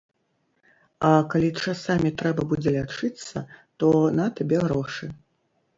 А калі часамі трэба будзе лячыцца, то на табе грошы.